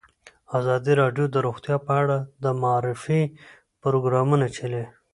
ازادي راډیو د روغتیا په اړه د معارفې پروګرامونه چلولي.